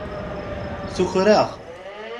Tuker-aɣ.